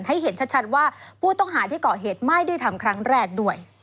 ให้เห็นชัดว่าผู้ต้องหาที่เกาะเหตุไม่ได้ทำครั้งแรกด้วย